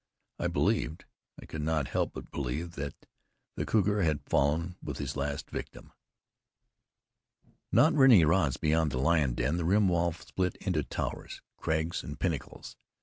I believed I could not help but believe that the cougar had fallen with his last victim. Not many rods beyond the lion den, the rim wall split into towers, crags and pinnacles.